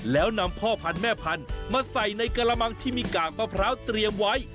แล้วนำพ่อพันธุ์แม่พันธุ์มาใส่ในกระมังที่มีกากมะพร้าวเตรียมไว้